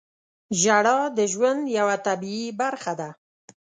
• ژړا د ژوند یوه طبیعي برخه ده.